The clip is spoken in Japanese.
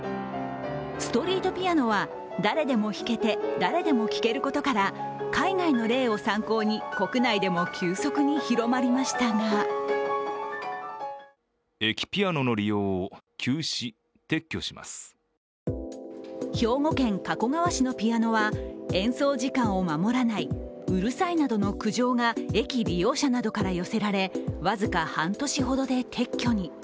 ストリートピアノは誰でも弾けて誰でも聴けることから海外の例を参考に国内でも急速に広まりましたが兵庫県加古川市のピアノは演奏時間を守らない、「うるさい」などの苦情が駅利用者などから寄せられ僅か半年ほどで撤去に。